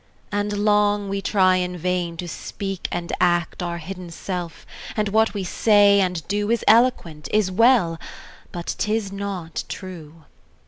And long we try in vain to speak and act Our hidden self, and what we say and do Is eloquent, is well but 'tis not true!